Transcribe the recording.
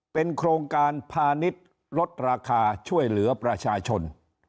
เป็นโครงการพาณิชย์ลดราคาช่วยเหลือประชาชน